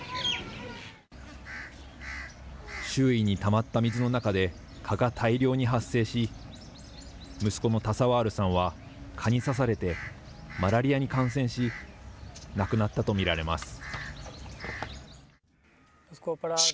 周囲にたまった水の中で蚊が大量に発生し、息子のタサワールさんは蚊に刺されて、マラリアに感染し、亡くなったと見られます。